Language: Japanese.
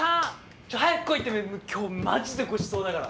ちょ早く来いって今日マジでごちそうだから！